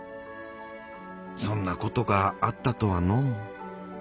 そんなことがあったとはのう。